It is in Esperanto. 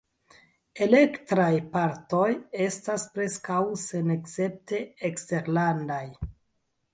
Elektraj partoj estas preskaŭ senescepte eksterlandaj.